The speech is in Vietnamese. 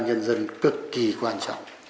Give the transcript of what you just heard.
nhân dân cực kỳ quan trọng